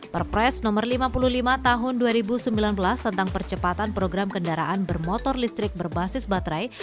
perpres nomor lima puluh lima tahun dua ribu sembilan belas tentang percepatan program kendaraan bermotor listrik berbasis baterai